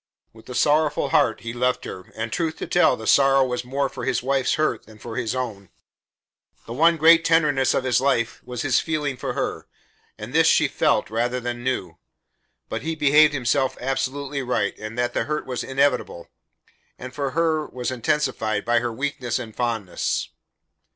With a sorrowful heart he left her, and truth to tell, the sorrow was more for his wife's hurt than for his own. The one great tenderness of his life was his feeling for her, and this she felt rather than knew; but he believed himself absolutely right and that the hurt was inevitable, and for her was intensified by her weakness and fondness.